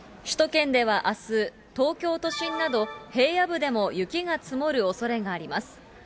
首都圏ではあす、東京都心など平野部でも雪が積もるおそれがあります。